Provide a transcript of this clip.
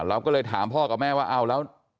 เราก็เลยถามพ่อกับแม่ว่าเอาแล้ว